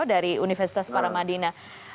dari universitas maramadina